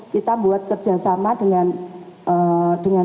kita buat kerjasama dengan